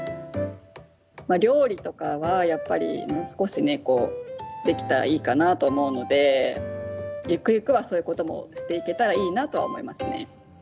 料理とかはやっぱりもう少しできたらいいかなと思うのでゆくゆくは、そういうこともしていけたらいいなとは思いますね。